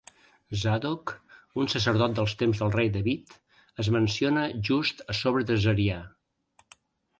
Zadok, un sacerdot dels temps del rei David, es menciona just a sobre de Zariah.